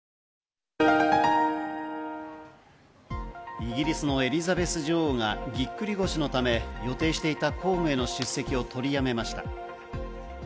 イギリスのエリザベス女王がぎっくり腰のため、予定していた公務への出席をとりやめました。